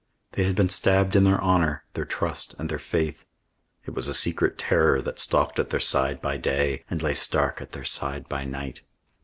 They had been stabbed in their honour, their trust, and their faith. It was a secret terror that stalked at their side by day and lay stark at their side by night.